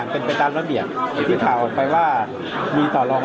เป็นตามทำนายส่อง